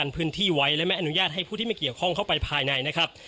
พื้นที่ไว้และไม่อนุญาตให้ผู้ที่ไม่เกี่ยวข้องเข้าไปภายในนะครับ